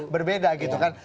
berbeda gitu kan